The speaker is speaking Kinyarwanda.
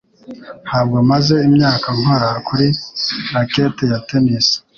Ntabwo maze imyaka nkora kuri racket ya tennis.